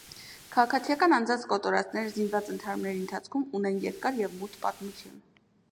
Քաղաքացիական անձանց կոտորածները զինված ընդհարումների ընթացքում ունեն երկար և մութ պատմություն։